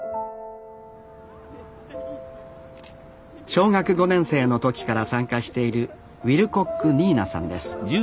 小学５年生の時から参加しているウィルコック・ニーナさんです。